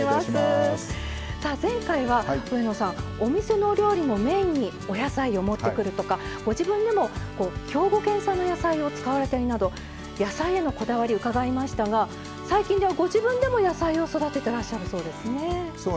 前回は、上野さんお店のお料理のメインにお野菜を持ってくるとかご自分でも兵庫県産の野菜を使われたりなど野菜へのこだわり伺いましたが最近では、ご自分でも野菜を育ててらっしゃるそうですね。